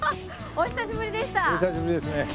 お久しぶりですね。